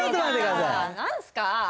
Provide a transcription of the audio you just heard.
何すか？